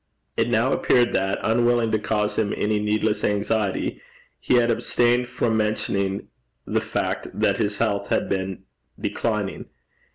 It now appeared that, unwilling to cause him any needless anxiety, he had abstained from mentioning the fact that his health had been declining.